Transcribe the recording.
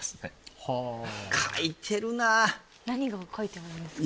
何が書いてあるんですか？